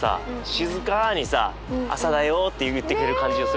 静かにさ朝だよって言ってくれる感じがするし。